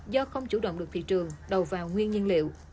do không chủ động được thị trường đầu vào nguyên nhân liệu